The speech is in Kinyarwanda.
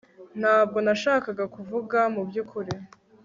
ntabwo nashakaga kuvuga mubyukuri